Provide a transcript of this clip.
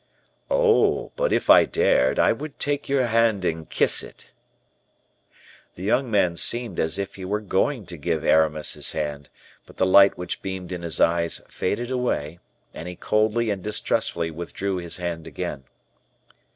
"Oh, but if I dared, I would take your hand and kiss it!" The young man seemed as if he were going to give Aramis his hand; but the light which beamed in his eyes faded away, and he coldly and distrustfully withdrew his hand again.